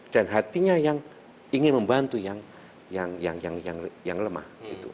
dan hatinya yang ingin membantu yang lemah